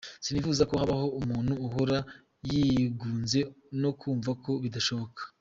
Sinifuza ko habaho umuntu uhora yigunze no kumva ko ‘bidashoboka’.